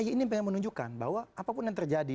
ini pengen menunjukkan bahwa apapun yang terjadi